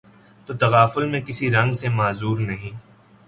تو تغافل میں کسی رنگ سے معذور نہیں